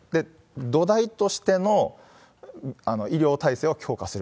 土台としての医療体制を強化する。